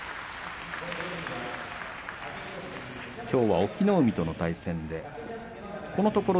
きょうは隠岐の海との対戦です。